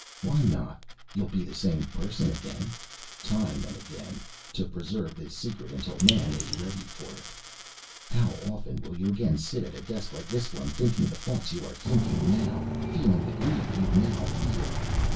Why not? You'll be the same person again. Time and again, to preserve this secret until Man is ready for it. How often will you again sit at a desk like this one, thinking the thoughts you are thinking now, feeling the grief you now feel?